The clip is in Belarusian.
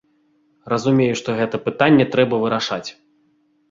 Разумею, што гэта пытанне трэба вырашаць.